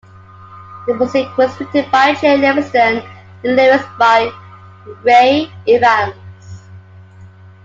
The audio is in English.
The music was written by Jay Livingston, the lyrics by Ray Evans.